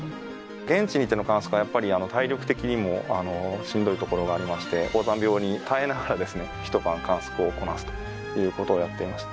現地に行っての観測はやっぱり体力的にもしんどいところがありまして高山病に耐えながらですね一晩観測をこなすということをやっていました。